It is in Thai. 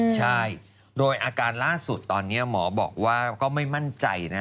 ใช่โดยอาการล่าสุดตอนนี้หมอบอกว่าก็ไม่มั่นใจนะ